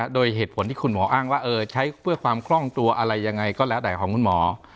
โดยเหตุผลที่คุณหมออ้างว่าใช้เพื่อความคล่องตัวอะไรยังไงก็แล้วแต่ของคุณหมอ